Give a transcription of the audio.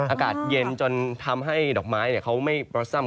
อากาศเย็นจนทำให้ดอกไม้เขาไม่ประซ่ำ